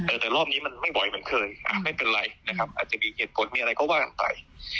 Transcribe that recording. แต่รอบนี้มันไม่บ่อยเหมือนเคยอ่ะไม่เป็นไรนะครับอาจจะมีเหตุผลมีอะไรก็ว่ากันไป